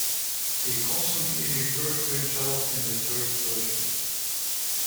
He constantly referred to himself in the third person.